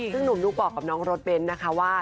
ซึ่งหนุ่มดุ๊กบอกกับน้องรถเบ้นนะคะว่า